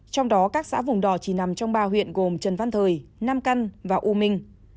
trong đó các xã vùng đò chỉ nằm trong ba huyện gồm trần văn thời nam căn và u minh